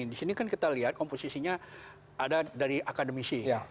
disini kan kita lihat komposisinya ada dari akademisi